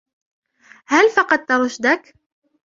هل فقَدت رُشدَك؟